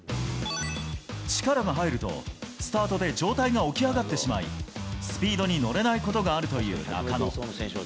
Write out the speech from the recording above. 力が入ると、スタートで上体が起き上がってしまい、スピードに乗れないことがあるという中野。